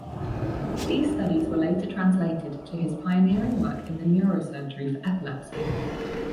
These studies were later translated to his pioneering work in the neurosurgery for epilepsy.